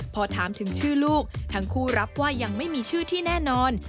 พอถามถึงชื่อลูกทั้งคู่รับว่ายังไม่มีชื่อที่แน่นอน